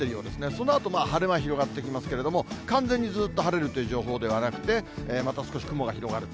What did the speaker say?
そのあと晴れ間広がってきますけれども、完全にずっと晴れるという情報ではなくて、また少し雲が広がる。